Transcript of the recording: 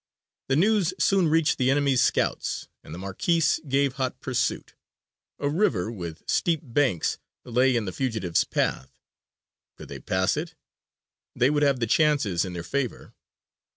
The news soon reached the enemy's scouts, and the Marquis gave hot pursuit. A river with steep banks lay in the fugitives' path: could they pass it, they would have the chances in their favour.